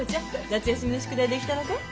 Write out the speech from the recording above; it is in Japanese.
夏休みの宿題できたのかい？